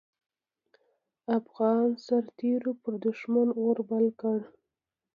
افغان سررتېرو پر دوښمن اور بل کړ.